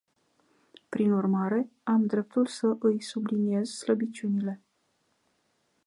Prin urmare, am dreptul să îi subliniez slăbiciunile.